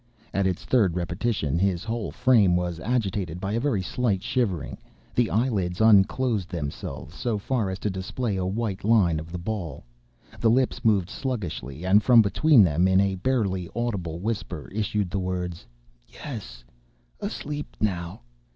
At its third repetition, his whole frame was agitated by a very slight shivering; the eyelids unclosed themselves so far as to display a white line of the ball; the lips moved sluggishly, and from between them, in a barely audible whisper, issued the words: "Yes;—asleep now.